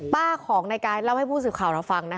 ป้าของในการเล่าให้ผู้สึกฟัง